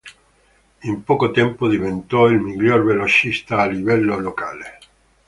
In poco tempo diventò il miglior velocista a livello locale.